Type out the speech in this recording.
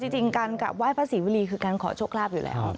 จริงการกลับไห้พระศรีวรีคือการขอโชคลาภอยู่แล้ว